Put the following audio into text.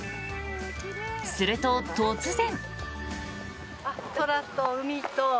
すると、突然。